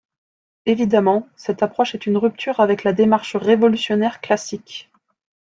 Évidemment cette approche est une rupture avec la démarche révolutionnaire classique.